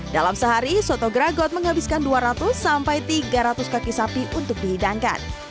dalam sehari soto gragot menghabiskan dua ratus sampai tiga ratus kaki sapi untuk dihidangkan